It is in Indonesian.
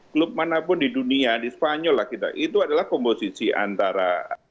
klub manapun di dunia di spanyol lah kita itu adalah komposisi antara